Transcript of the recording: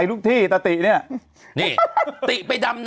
นี่ค่ะ